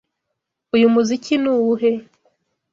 Uyu muziki ni uwuhe?